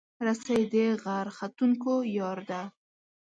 رسۍ د غر ختونکو یار ده.